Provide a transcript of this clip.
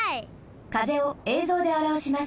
風をえいぞうであらわします。